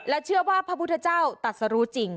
เชื่อว่าพระพุทธเจ้าตัดสรุจริง